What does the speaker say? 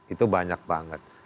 itu banyak banget